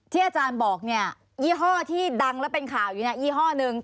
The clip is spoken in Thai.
อาจารย์บอกเนี่ยยี่ห้อที่ดังแล้วเป็นข่าวอยู่นะยี่ห้อหนึ่ง